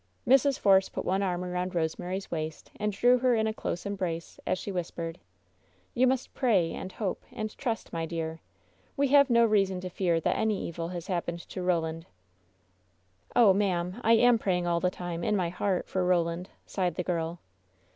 Mrs. Force put one arm around Rosemary's waist, and drew her in a close embrace, as she whispered: "You must pray, and hope, and trust, my dear. We have no reason to fear that any evil has happened to Roland. "Oh, ma*am, I am praying all the time, in my heart, for Roland," sighed the girl.